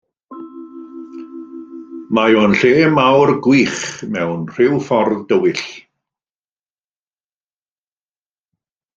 Mae o'n lle mawr gwych mewn rhyw ffordd dywyll.